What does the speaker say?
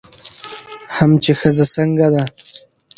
هم چې ښځه څنګه ده